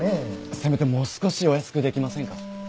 せめてもう少しお安くできませんか？